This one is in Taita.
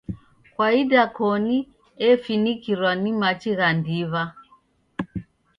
Kwa idakoni efinikirwa ni machi gha ndiw'a.